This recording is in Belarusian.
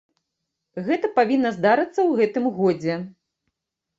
Гэта павінна здарыцца ў гэтым годзе.